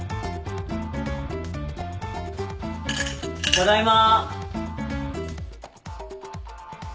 ただいま。